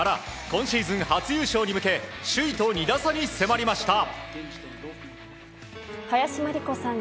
今シーズン初優勝に向け首位と２打差に迫りました。